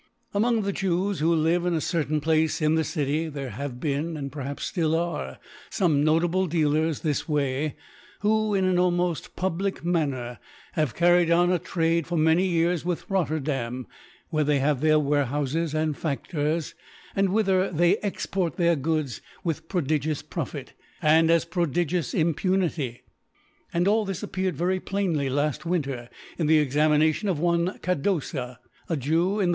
Among th/e Jews who live in a, certain Place in .the Ci ty, there have been, and (till are, fome noi table Dealers this Way,, who in an almoflb ^public .Manner have carried on a Trade for many Years with Rotterdam^ where they^ .have their Warehoufes and Factors, and whither they export their Goods with prcK digious Profit, and as prodigious Impunity.. And all this appeared very plainly la(t Win ter in the Examination of one Cado/a a Jew^, in the.